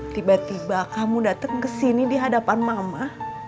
tiba tiba kamu datang ke sini di hadapan mama